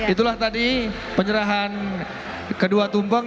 itulah tadi penyerahan kedua tumpeng